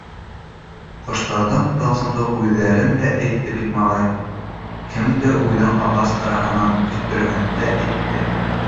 Ҡоштарҙың Тылсымлы һүҙҙәрен дә әйтте бит малай, кәнде үҙен ағас араһынан өҫтөрәгәндә әйтте.